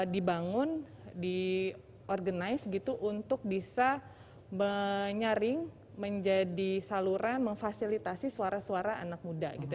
dibangun di organize gitu untuk bisa menyaring menjadi saluran memfasilitasi suara suara anak muda gitu